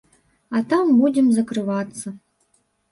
А там будзем закрывацца.